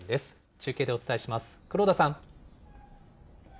中継でお伝えします、黒田さん。